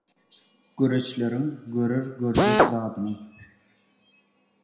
Göreçleriň görer görjek zadyny.»